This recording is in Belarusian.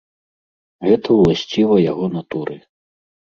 Гэта ўласціва яго натуры.